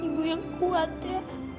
ibu yang kuat ya